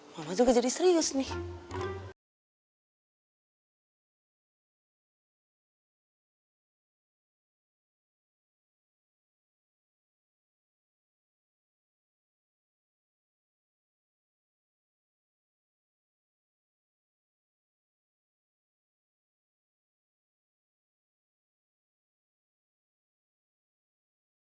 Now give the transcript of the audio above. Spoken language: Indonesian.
mama juga jadi serius nih